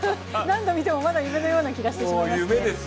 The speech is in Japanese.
何度見てもまだ夢のような気がしてしまいます。